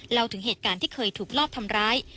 เล่าถึงเหตุการณ์ที่เคยถูกลอบทำร้าย